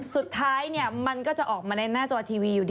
สุดท้ายเนี่ยมันก็จะออกมาในหน้าจรตีวีอยู่ดิ